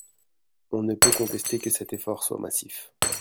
On ne peut contester que cet effort soit massif.